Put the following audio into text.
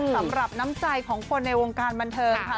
สำหรับน้ำใจของคนในวงการบันเทิงค่ะ